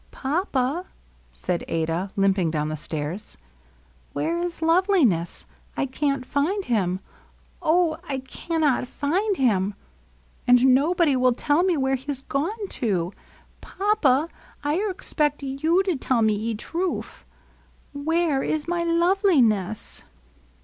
"Papa," said Adah, Umping down the stairs, "where is Loveliness? I can't find him! Oh, I cannot find him ! And nobody will tell me where he 's gone to. Papa ? I arxpect you to teU me 'e truf e. Whebb is my Loveliness